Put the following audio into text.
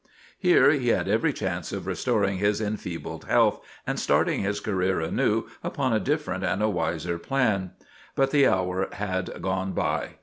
Here he had every chance of restoring his enfeebled health, and starting his career anew upon a different and a wiser plan. But the hour had gone by.